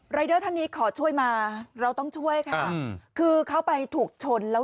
เดอร์ท่านนี้ขอช่วยมาเราต้องช่วยค่ะคือเขาไปถูกชนแล้ว